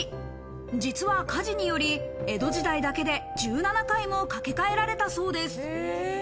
実は火事により江戸時代だけで１７回も架け替えられたそうです。